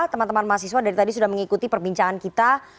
teman teman mahasiswa dari tadi sudah mengikuti perbincangan kita